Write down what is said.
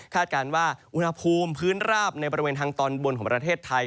การว่าอุณหภูมิพื้นราบในบริเวณทางตอนบนของประเทศไทย